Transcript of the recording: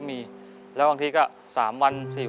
สวัสดีครับน้องเล่จากจังหวัดพิจิตรครับ